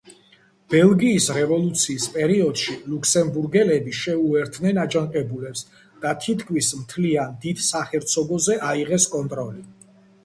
ბელგიის რევოლუციის პერიოდში ლუქსემბურგელები შეუერთდნენ აჯანყებულებს და თითქმის მთლიან დიდ საჰერცოგოზე აიღეს კონტროლი.